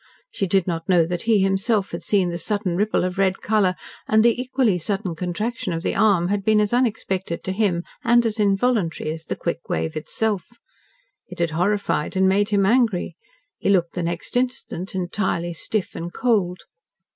She did not know that he, himself, had seen the sudden ripple of red colour, and that the equally sudden contraction of the arm had been as unexpected to him and as involuntary as the quick wave itself. It had horrified and made him angry. He looked the next instant entirely stiff and cold.